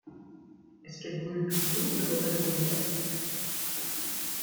Est-ce qu’elle brûle toujours ? demanda le bourgmestre.